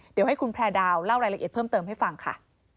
เดี๋ยวให้คุณแพร่ดาวเล่ารายละเอียดเพิ่มเติมให้ฟังค่ะ